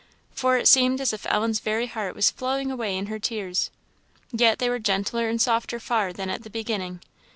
For it seemed as if Ellen's very heart was flowing away in her tears; yet they were gentler and softer far than at the beginning.